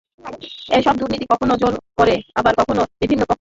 এসব দুর্নীতি কখনো জোর করে, আবার কখনো বিভিন্ন পক্ষের মধ্যে সমঝোতামূলক।